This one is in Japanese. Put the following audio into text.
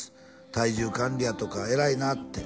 「体重管理やとかえらいなって」